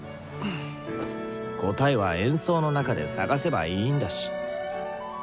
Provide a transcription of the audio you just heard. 答えは演奏の中で探せばいいんだし。